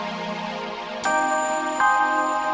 pilih suatu peduli